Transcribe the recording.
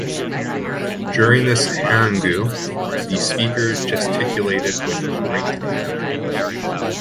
During this harangue, the speaker gesticulated with great energy.